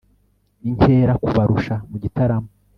inkera kubarusha mu gitaramo